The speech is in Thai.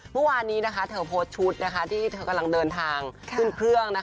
เมื่อวานนี้เธอโพสต์ชุดที่เธอกำลังเดินทางขึ้นเครื่อง